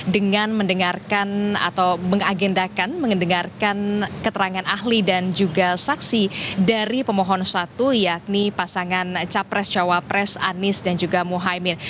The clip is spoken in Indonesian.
dengan mendengarkan atau mengagendakan mendengarkan keterangan ahli dan juga saksi dari pemohon satu yakni pasangan capres cawapres anies dan juga muhaymin